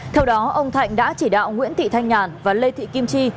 theo đó ông thạnh đã chỉ đạo nguyễn thị thanh nhàn và lê thị kim chi